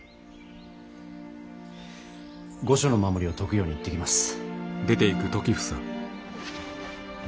御所の守りを解くように言ってきます。